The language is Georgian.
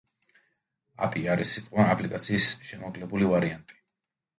აპი არის სიტყვა აპლიკაციის შემოკლებული ვარიანტი.